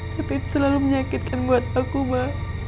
tapi itu selalu menyakitkan buat aku mbak